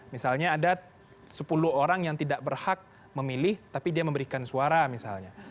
misalnya ada sepuluh orang yang tidak berhak memilih tapi dia memberikan suara misalnya